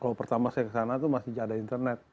kalau pertama saya ke sana itu masih tidak ada internet